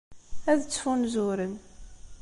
Ad ttfunzuren.